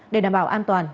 để đảm bảo an toàn